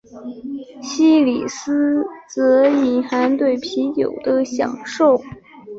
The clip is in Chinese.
西里斯则隐含对啤酒的享受。